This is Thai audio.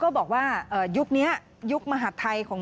ขอเข้าประตูนี้ครับท่าน